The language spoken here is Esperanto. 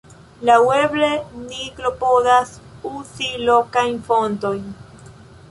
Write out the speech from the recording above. Laŭeble ni klopodas uzi lokajn fontojn.